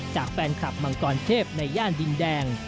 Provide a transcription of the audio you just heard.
จากแฟนคลับมังกรเทพในย่านดินแดง